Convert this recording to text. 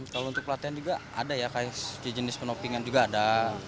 kalau untuk pelatihan juga ada ya kayak jenis penopingan juga ada